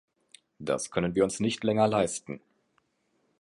Das können wir uns nicht länger leisten.